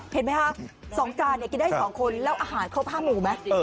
เห็นไหมคะ๒จานเนี่ยกินได้๒คนแล้วอาหารครบผ้าหมู่ไหม